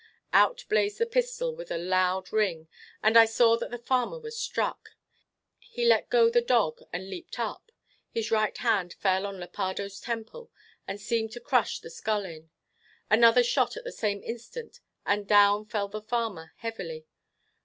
Out blazed the pistol with a loud ring, and I saw that the farmer was struck. He let go the dog, and leaped up; his right hand fell on Lepardo's temple, and seemed to crush the skull in, another shot at the same instant and down fell the farmer heavily.